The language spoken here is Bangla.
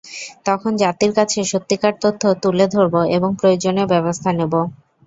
তখন জাতির কাছে সত্যিকার তথ্য তুলে ধরব এবং প্রয়োজনীয় ব্যবস্থা নেব।